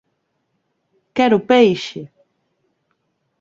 Quero peixe!